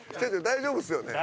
大丈夫です。